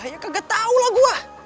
ya kagak tau lah gua